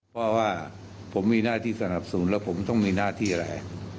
เพราะว่าผมมีหน้าที่สนับสนุนแล้วผมต้องมีหน้าที่อะไร